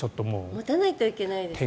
持たないといけないですね。